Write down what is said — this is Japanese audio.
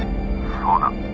「そうだ」。